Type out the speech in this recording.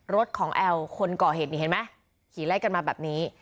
รถของแอลคนก่อเหตุนี่เห็นไหมขี่ไล่กันมาแบบนี้